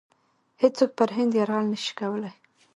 هیڅوک پر هند یرغل نه شي کولای.